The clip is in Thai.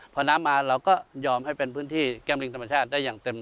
พอน้ำมาเราก็ยอมให้เป็นพื้นที่แก้มลิงธรรมชาติได้อย่างเต็ม